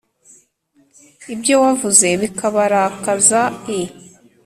ibyo wavuze bikabarakaza i